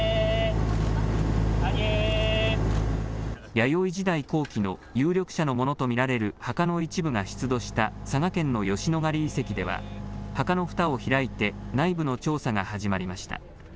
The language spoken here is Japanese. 弥生時代後期の有力者のものと見られる墓の一部が出土した佐賀県の吉野ヶ里遺跡では、墓のふたを開いて内部の調査が始まりました。